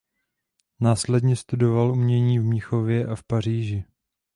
Následně studoval umění v Mnichově a v Paříži.